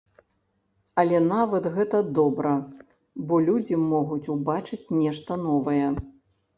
Але нават гэта добра, бо людзі могуць ўбачыць нешта новае.